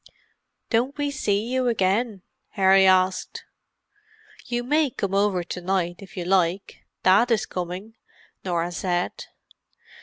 "Don't we see you again?" Harry asked. "You may come over to night if you like—Dad is coming," Norah said.